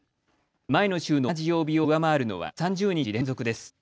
前の週の同じ曜日を上回るのは３０日連続です。